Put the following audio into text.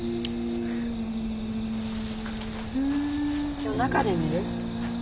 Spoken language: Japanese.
今日中で寝る？